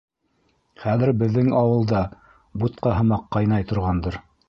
Хәҙер беҙҙең ауыл да бутҡа һымаҡ ҡайнай торғандыр.